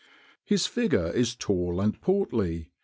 His figure is tall and portly.